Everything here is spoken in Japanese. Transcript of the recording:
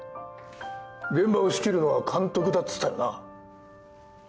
現場を仕切るのは監督だっつったよな？